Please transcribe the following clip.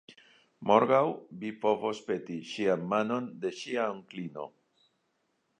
Morgaŭ vi povos peti ŝian manon de ŝia onklino.